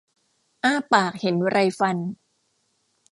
อ้าปากเห็นไรฟัน